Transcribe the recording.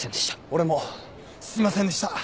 俺もすいませんでした！